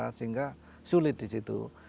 tanah pertanian tapi akses jalan tidak memunisara